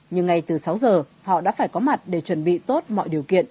nhưng ngay từ sáu giờ họ đã phải có mặt để chuẩn bị tốt mọi điều kiện